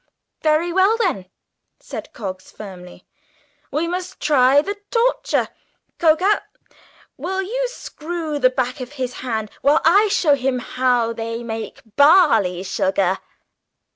"Very well, then," said Coggs firmly, "we must try the torture. Coker, will you screw the back of his hand, while I show him how they make barley sugar?"